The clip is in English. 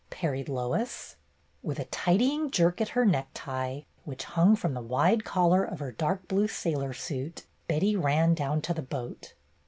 parried Lois. With a tidying jerk at her necktie, which hung from the wide collar of her dark blue sailor suit, Betty ran down to the boat.